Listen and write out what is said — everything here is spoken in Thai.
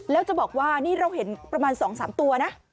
แล้วจะบอกว่านี่เราเห็นประมาณ๒๓ตัวนะ